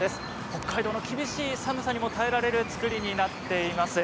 北海道の厳しい寒さにも耐えられる造りになっています。